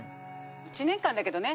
１年間だけどね